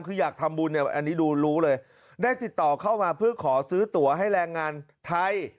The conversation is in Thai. คืออยากทำบุญเนี่ยอันนี้ดูรู้เลยได้ติดต่อเข้ามาเพื่อขอซื้อตัวให้แรงงานไทย